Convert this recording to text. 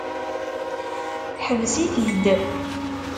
Ḥbes-it-id!